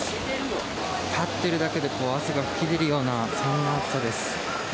立っているだけで、汗が噴き出るような、そんな暑さです。